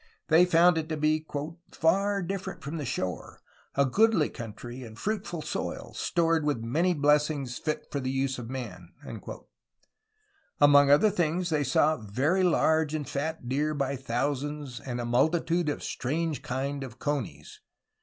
They found it to be "farre different from the shoare, a goodly country, and fruitfull soyle, stored with many blessings fit for the vse of man." Among other things they saw 'Very large and fat Deere ... by thousands" and '^a, multitude of a strange kinde of Conies.